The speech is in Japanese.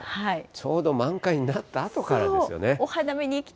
ちょうど満開になったあとからですよね。